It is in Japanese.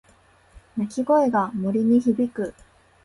鳴き声が森に響く。